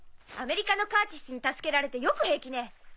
アメリカのカーチスに助けられてよく平気ね。